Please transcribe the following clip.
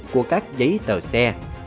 của các giấy tờ xe